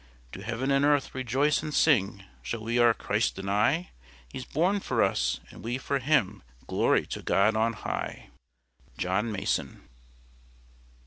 Do heaven and earth rejoice and sing— Shall we our Christ deny? He's born for us, and we for Him: GLORY TO GOD ON HIGH. JOHN MASON.